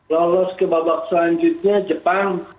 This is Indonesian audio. lolos ke babak selanjutnya jepang